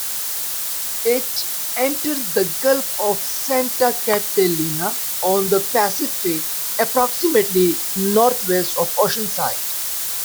It enters the Gulf of Santa Catalina on the Pacific approximately northwest of Oceanside.